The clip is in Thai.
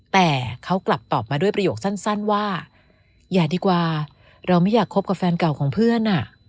แต่เขากลับตอบมาด้วยประโยคสั้นว่าอย่าดีกว่าเราไม่อยากคบกับแฟนเก่าของเพื่อน